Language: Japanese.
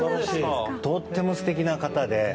とても素敵な方で。